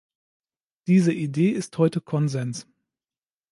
Diese Idee ist heute Konsens.